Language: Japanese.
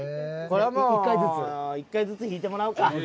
これはもう１回ずつ引いてもらおうか。